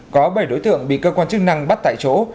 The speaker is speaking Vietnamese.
có bảy đối tượng bị cơ quan chức năng bắt tại chỗ